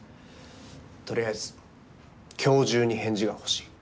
とりあえず今日中に返事が欲しい。